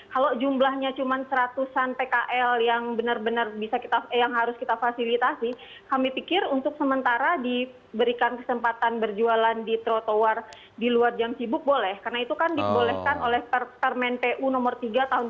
kalau jumlahnya cuma seratusan pkl yang benar benar yang harus kita fasilitasi kami pikir untuk sementara diberikan kesempatan berjualan di trotoar di luar jam sibuk boleh karena itu kan dibolehkan oleh permen pu nomor tiga tahun dua ribu dua